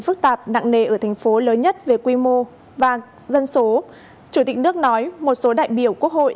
phức tạp nặng nề ở thành phố lớn nhất về quy mô và dân số chủ tịch nước nói một số đại biểu quốc hội